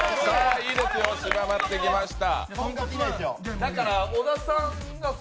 いいですよ、絞まってきました。